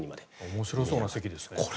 面白そうな席ですね。